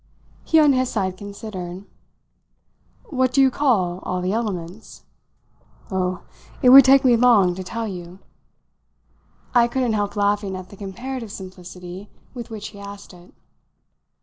He on his side considered. "What do you call all the elements?" "Oh, it would take me long to tell you!" I couldn't help laughing at the comparative simplicity with which he asked it.